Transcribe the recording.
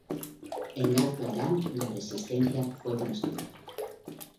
En Alto Arán la resistencia fue más dura.